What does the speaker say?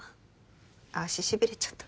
足しびれちゃった。